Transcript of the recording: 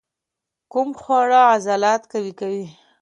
کوم خواړه عضلات قوي کوي؟